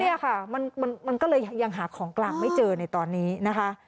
เนี่ยค่ะมันก็เลยยังหาของกลางไม่เจอในตอนนี้นะคะ